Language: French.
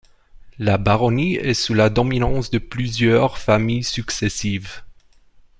La baronnie est sous la dominance de plusieurs familles successives.